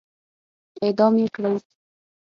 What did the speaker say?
اعدام يې کړئ!